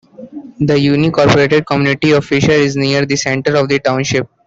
The unincorporated community of Fisher is near the center of the township.